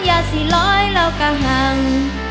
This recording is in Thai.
อย่าสิร้อยแล้วกระหัง